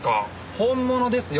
本物ですよ。